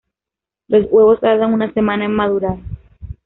Los huevos tardan una semana en madurar.